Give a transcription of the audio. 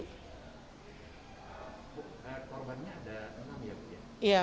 korbannya ada enam ya